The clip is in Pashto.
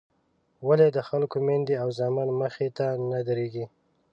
ولې د خلکو میندې او زامن مخې ته نه درېږي.